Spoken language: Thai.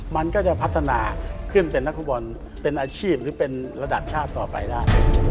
มันก็จะพัฒนาขึ้นเป็นนักฟุตบอลเป็นอาชีพหรือเป็นระดับชาติต่อไปได้